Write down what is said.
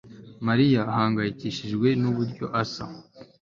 Mariya ahangayikishijwe nuburyo asa